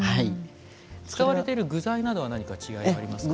使われている具材などは何か違いがありますか？